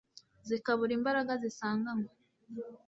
zikabura imbaraga zisanganywe